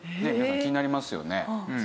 皆さん気になりますよね。